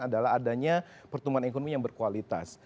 adalah adanya pertumbuhan ekonomi yang berkualitas